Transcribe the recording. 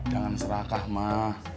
jangan serakah mah